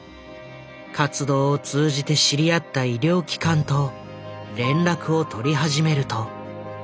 活動を通じて知り合った医療機関と連絡を取り始めると。